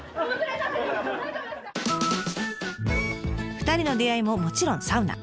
２人の出会いももちろんサウナ。